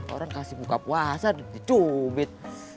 orang kasih buka puasa dicubit